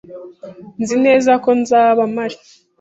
Nzi neza ko nzaba mpari.